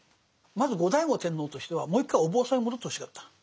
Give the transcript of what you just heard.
まず後醍醐天皇としてはもう一回お坊さんに戻ってほしかった。